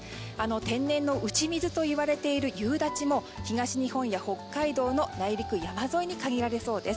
天然の打ち水と言われている夕立も東日本や北海道の内陸山沿いに限られそうです。